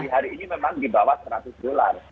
hari ini memang di bawah seratus dolar